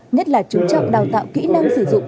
nhất là chú trọng đào tạo kỹ năng sử dụng